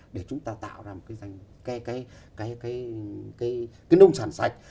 để chúng ta tạo ra một cái nông sản sạch